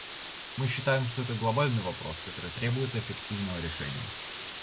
Мы считаем, что это глобальный вопрос, который требует эффективного решения.